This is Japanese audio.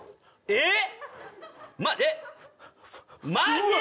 えっ！